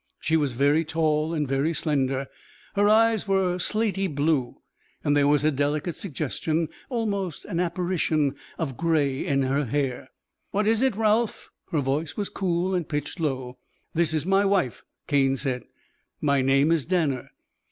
She was very tall and very slender. Her eyes were slaty blue and there was a delicate suggestion almost an apparition of grey in her hair. "What is it, Ralph?" Her voice was cool and pitched low. "This is my wife," Cane said. "My name is Danner."